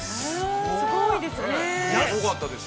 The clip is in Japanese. すごいですね。